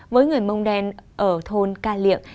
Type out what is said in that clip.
với người mông đen ở thôn ca liệng